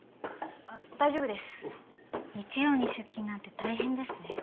あっ大丈夫ですおう日曜に出勤なんて大変ですね